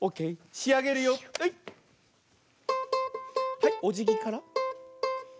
はいおじぎから。